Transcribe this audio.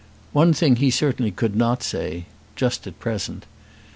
One thing he certainly could not say, just at present.